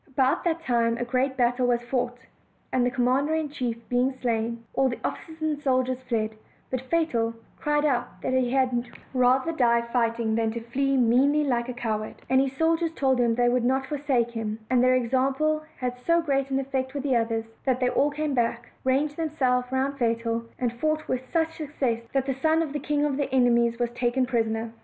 About that time a great battle was fought, and the commander in chief being slain, all the officers and soldiers fled; but Fatal cried out that he had rather die fighting than fly meanly like a coward; and his soldiers told him they would not forsake him; and their example had so good an effect with the others that ihey all came back, ranged themselves round Fatal, and OLD, OLD FAItiT TALUS. fought with such success that the son of the king of their enemies was taken prisoner.